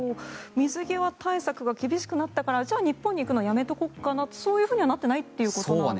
水際対策が厳しくなったからじゃあ日本に行くのやめとこうかなそういうふうにはなってないということですね。